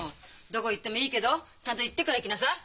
どこ行ってもいいけどちゃんと言ってから行きなさい。